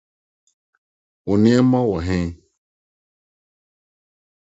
Wo nneɛma wɔ he?